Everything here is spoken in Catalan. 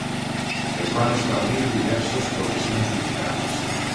Es van establir diverses posicions militars.